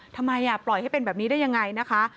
ทำไมปล่อยให้เป็นแบบนี้ได้ยังไงนะคะ